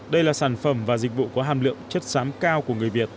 đây là sản phẩm và dịch vụ có hàm lượng chất xám cao của người việt